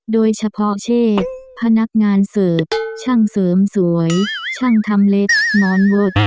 โดยเฉพาะเช่นพนักงานเสิร์ฟช่างเสริมสวยช่างทำเล็ดหมอนวด